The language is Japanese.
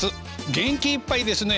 元気いっぱいですね。